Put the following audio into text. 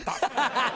ハハハ！